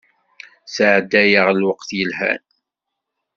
Sɛeddayeɣ lweqt yelhan.